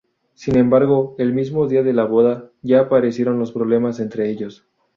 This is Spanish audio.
Sin embargo, el mismo día de la boda ya aparecieron los problemas entre ellos.